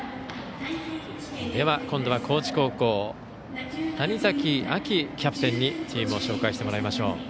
今度は高知高校の谷崎陽キャプテンにチームを紹介してもらいましょう。